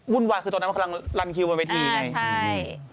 วายคือตอนนั้นมันกำลังรันคิวบนเวทีไงใช่